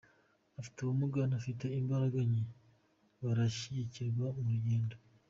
Abafite ubumuga n'abafite imbaraga nke barashyigikirwa mu rugendo.